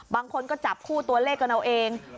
บางคนก็จับคู่ตัวเลขกันเอาเอง